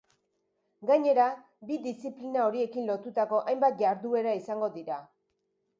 Gainera, bi diziplina horiekin lotutako hainbat jarduera izango dira.